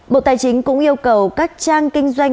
bộ tài chính cũng yêu cầu các trang kinh doanh